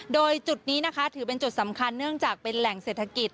โดยจุดนี้นะคะถือเป็นจุดสำคัญเนื่องจากเป็นแหล่งเศรษฐกิจ